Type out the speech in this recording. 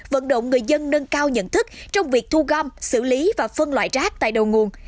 vận động người dân nâng cao nhận thức trong việc thu gom xử lý và phân loại rác tại đầu nguồn